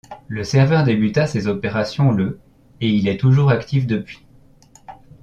Le serveur débuta ses opérations le et il est toujours actif depuis.